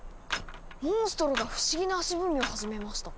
モンストロが不思議な足踏みを始めました。